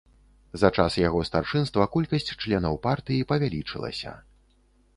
За час яго старшынства колькасць членаў партыі павялічылася.